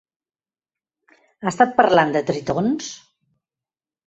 Ha estat parlant de tritons?